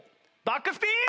バックスピン！